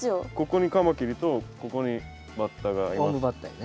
ここにカマキリとここにバッタがいます。